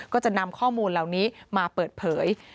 ก็จะนำข้อมูลเหล่านี้มาเปิดเผย